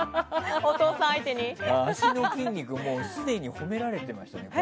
足の筋肉すでに褒められていましたね。